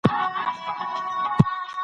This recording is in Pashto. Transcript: کورنۍ د ټولنې زړه دی.